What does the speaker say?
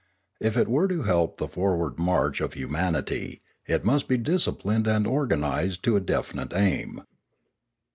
If it were to help the forward march of humanity, it must be disciplined and or ganised to a definite aim.